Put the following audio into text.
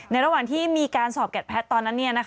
ระหว่างที่มีการสอบแกดแพทย์ตอนนั้น